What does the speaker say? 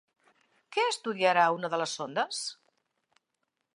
Què estudiarà una de les sondes?